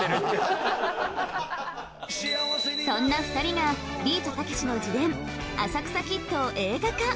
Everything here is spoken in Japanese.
そんな２人がビートたけしの自伝『浅草キッド』を映画化。